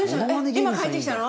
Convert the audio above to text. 今帰ってきたの？